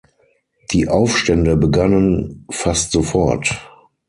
Die Aufstände begannen fast sofort.